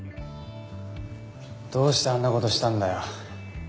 どうしてあんな事したんだよ。